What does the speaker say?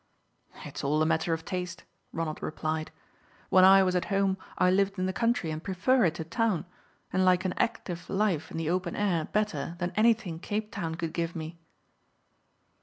"It's all a matter of taste," Ronald replied. "When I was at home I lived in the country and prefer it to town, and like an active life in the open air better than anything Cape Town could give me."